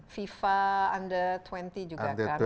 fifa under dua puluh juga kan world cup